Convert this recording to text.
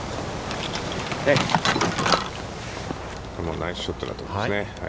ナイスショットだと思いますね。